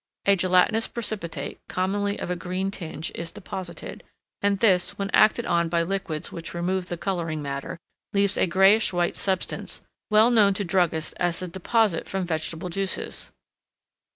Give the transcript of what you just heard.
A gelatinous precipitate, commonly of a green tinge, is deposited, and this, when acted on by liquids which remove the colouring matter, leaves a grayish white substance, well known to druggists as the deposite from vegetable juices.